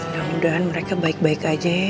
semoga mereka baik baik aja ya